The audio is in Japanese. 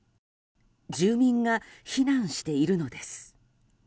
住民が避難しているのです。